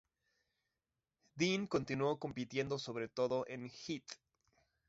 Dean continuó compitiendo sobre todo en "Heat".